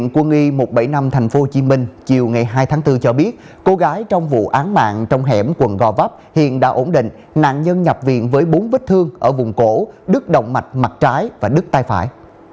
các con gái trong vụ án mạng trong hẻm quần gò vắp hiện đã ổn định nạn nhân nhập viện với bốn vết thương ở vùng cổ đứt động mạch mặt trái và đứt tay phải